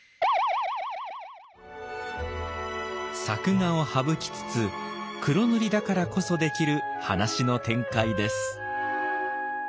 作画を省きつつ黒塗りだからこそできる話の展開です。